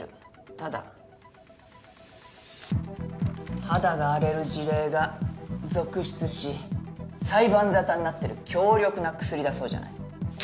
ただ肌が荒れる事例が続出し裁判沙汰になってる強力な薬だそうじゃない。